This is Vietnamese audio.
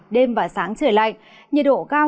đêm và sáng không mưa ban ngày còn nắng ấm